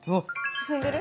進んでる？